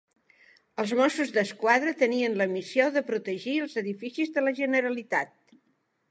Els Mossos d'Esquadra tenien la missió de protegir els edificis de la Generalitat.